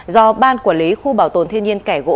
do ban quản lý khu bảo tồn thiên nhiên kẻ gỗ